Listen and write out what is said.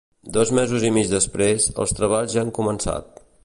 Dos mesos i mig després, els treballs ja han començat.